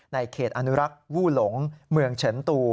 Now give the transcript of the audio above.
ในเขตอนุรักษ์วู่หลงเมืองเฉินตู